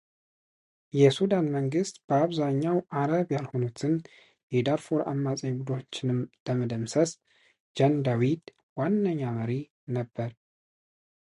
የሱዳን መንግሥት በአብዛኛው አረብ ያልሆኑትን የዳርፉር አማጺ ቡድኖችንም ለመደምሰሰስ ጃንጃዊድ ዋነኛ መሳሪያ ነበር።